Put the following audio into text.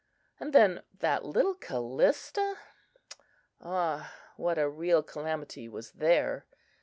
And then that little Callista! Ah!—what a real calamity was there!